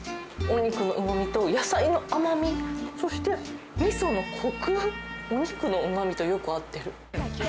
お肉のうまみと野菜の甘み、そしてみそのこく、お肉のうまみとよく合ってる。